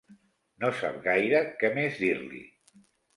No sap gaire què més dir-li.